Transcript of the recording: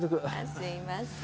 すいません。